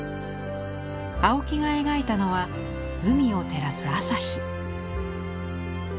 青木が描いたのは海を照らす朝日。